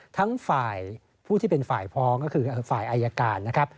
ทั้งฝ่ายผู้ที่เป็นฝ่ายฟ้องก็คือฝ่ายอายการนะครับ